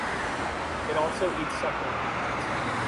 It also eats succulent plants.